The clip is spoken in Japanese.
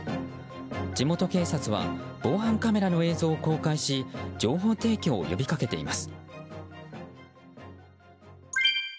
地元警察は防犯カメラの映像を公開し情報提供を呼び掛けています。